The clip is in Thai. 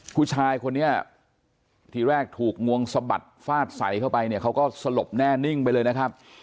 ผู้ชายคนนี้ที่แรกถูกงวงสะบัดฟาดใส่เข้าไปเนี่ยเขาก็สลบแน่นิ่งไปเลยนะครับ